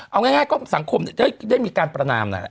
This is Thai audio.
เอาง่ายก็สังคมได้มีการประนามนะฮะ